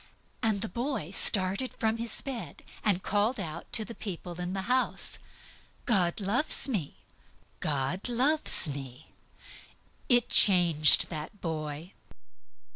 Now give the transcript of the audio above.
The boy started from his bed, and called out to the people in the house, "God loves me! God loves me!" One word! It changed that boy.